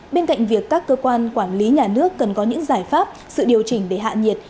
bên cạnh việc các cơ quan quản lý nhà nước cần có những giải pháp sự điều chỉnh để hạ nhiệt